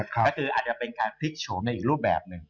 ก็คืออาจจะเป็นการพลิกโฉมในอีกรูปแบบหนึ่ง